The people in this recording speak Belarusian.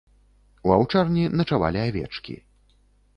У аўчарні начавалі авечкі.